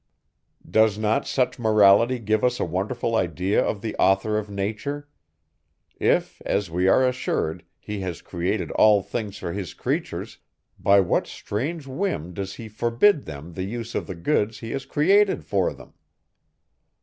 Does not such morality give us a wonderful idea of the author of nature? If, as we are assured, he has created all things for his creatures, by what strange whim does he forbid them the use of the goods he has created for them?